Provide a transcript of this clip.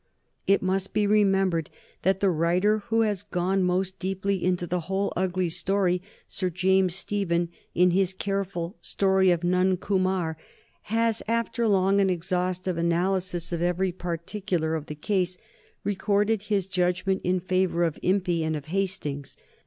It must be remembered that the writer who has gone most deeply into the whole ugly story, Sir James Stephen, in his careful "Story of Nuncomar," has after long and exhaustive analysis of every particular of the case recorded his judgment in favor of Impey and of Hastings.